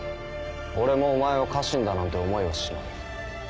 俺もお前を家臣だなんて思いはしない。